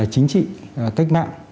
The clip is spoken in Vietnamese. chính trị cách mạng